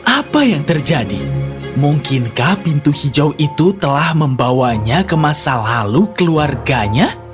apa yang terjadi mungkinkah pintu hijau itu telah membawanya ke masa lalu keluarganya